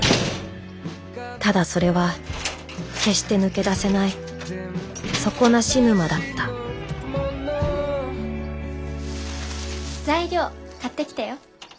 ただそれは決して抜け出せない底なし沼だった材料買ってきたよ。へ？